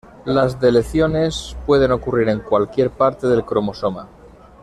Las deleciones pueden ocurrir en cualquier parte del cromosoma.